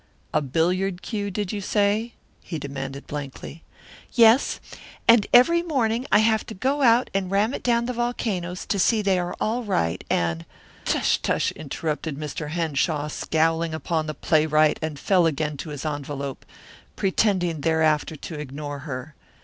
"A billiard cue, did you say?" he demanded blankly. "Yes. And every morning I have to go out and ram it down the volcanoes to see are they all right and " "Tush, tush!" interrupted Mr. Henshaw scowling upon the playwright and fell again to his envelope, pretending thereafter to ignore her.